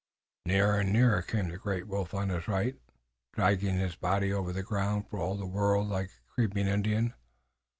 Nearer and nearer came the great wolf on his right, dragging his body over the ground for all the world like a creeping Indian.